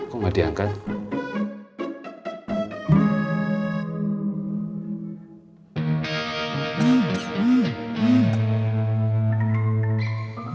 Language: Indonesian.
kok gak diangkat